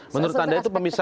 menurut anda itu pemisahan